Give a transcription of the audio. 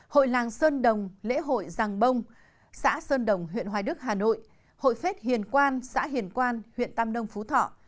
hội làng sơn đồng lễ hội giàng bông xã sơn đồng huyện hoài đức hà nội hội phết hiền quan xã hiền quan huyện tam nông phú thọ